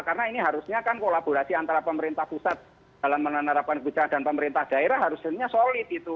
karena ini harusnya kan kolaborasi antara pemerintah pusat dalam menerapkan kebudayaan dan pemerintah daerah harusnya solid gitu